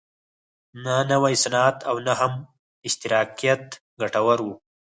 نه نوی صنعت او نه هم اشتراکیت ګټور و.